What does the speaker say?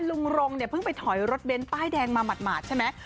รงเนี่ยเพิ่งไปถอยรถเบ้นป้ายแดงมาหมาดใช่ไหม